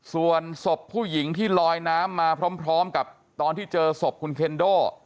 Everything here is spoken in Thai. ส่วนศพผู้หญิงที่ลอยน้ำมาพร้อมกับตอนที่เจอศพคุณเคนโด